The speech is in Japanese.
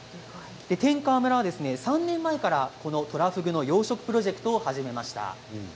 天川村は３年前からこのトラフグの養殖プロジェクトを始めました。